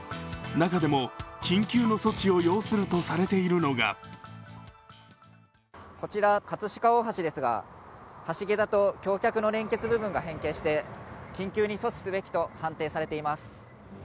中でも緊急の措置を要するとされているのがこちら葛飾大橋ですが、橋桁と橋脚の連結部分が変形して、緊急に措置すべきと判定されています。